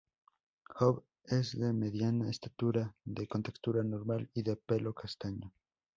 Hob es de mediana estatura, de contextura normal, y de pelo castaño.